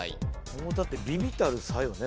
これもだって微々たる差よね